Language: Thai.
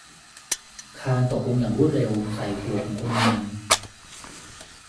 คานตกลงอย่างรวดเร็วใส่หัวของคนงาน